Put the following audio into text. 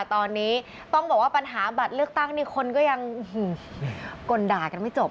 ตอนนี้ต้องบอกว่าปัญหาบัตรเลือกตั้งนี่คนก็ยังกลด่ากันไม่จบ